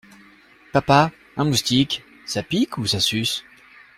Papa, un moustique ça pique ou ça suce?